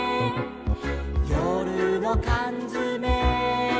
「よるのかんづめ」